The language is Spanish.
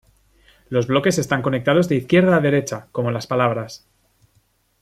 Los bloques están conectados de izquierda a derecha, como las palabras.